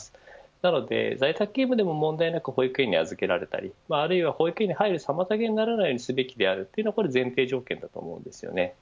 なので、在宅勤務でも問題なく保育園に預けられたりあるいは保育園に入る妨げにならないようにするべきだというのは前提条件だと思います。